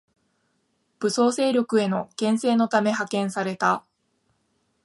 武装勢力への牽制のため派遣された